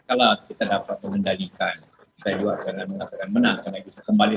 kalau kita dapat mengendalikan